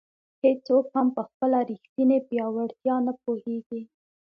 هیڅوک هم په خپله ریښتیني پیاوړتیا نه پوهېږي.